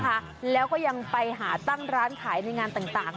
นะคะแล้วก็ยังไปหาตั้งร้านขายในงานต่างต่าง